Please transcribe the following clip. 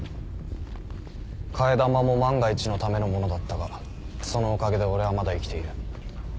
替え玉も万が一のためのものだったがそのおかげで俺はまだ生きている。